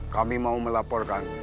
kami mau melaporkan